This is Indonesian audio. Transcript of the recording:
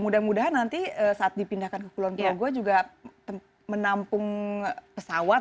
mudah mudahan nanti saat dipindahkan ke kulon progo juga menampung pesawat